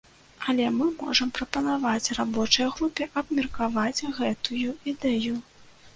Але мы можам прапанаваць рабочай групе абмеркаваць гэтую ідэю.